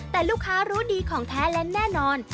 แต่ลูกค้ารู้ดีของแท้และแน่นอน